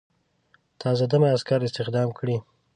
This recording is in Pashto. تازه دمه عسکر استخدام کړي.